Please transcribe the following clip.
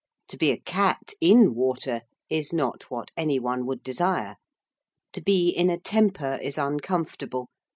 To be a cat in water is not what any one would desire. To be in a temper is uncomfortable.